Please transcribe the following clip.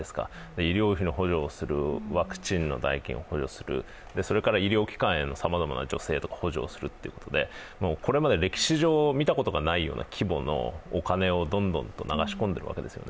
医療費の補助をする、ワクチンの代金を補助する、それから医療機関へのさまざまな助成や補助をするということでこれまで歴史上見たことがないような規模のお金をどんどんと流し込んでいるわけですよね。